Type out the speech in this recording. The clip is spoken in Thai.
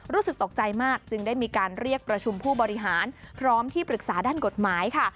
รู้สึกตกใจมากจึงได้มีการเรียกประชุมผู้บริหารพร้อมที่ปรึกษาด้านกฎหมายค่ะ